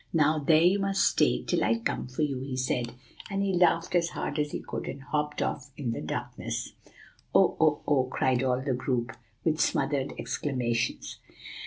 'Now, there you must stay, till I come for you,' he said; and he laughed as hard as he could, and hopped off in the darkness." "Oh! oh! oh!" cried all the group, with smothered exclamations.